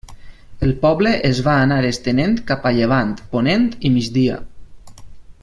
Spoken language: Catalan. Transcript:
El poble es va anar estenent cap a llevant, ponent i migdia.